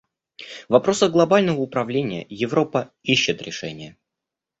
В вопросах глобального управления Европа ищет решения.